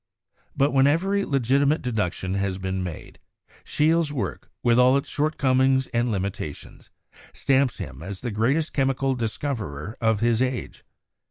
But when every legitimate deduction has been made, Scheele's work, with all its shortcomings and limitations, stamps him as the greatest chemical discoverer of his age.